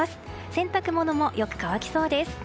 洗濯物もよく乾きそうです。